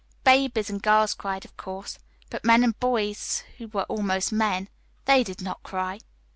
Babies and girls cried, of course; but men, and boys who were almost men they did not cry.